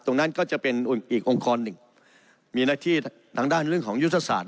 ตรงนั้นก็จะเป็นอีกองค์กรหนึ่งมีหน้าที่ทางด้านเรื่องของยุทธศาสต